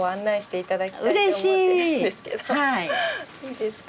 いいですか？